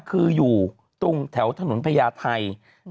คืออยู่ตรงแถวถนนพญาไทย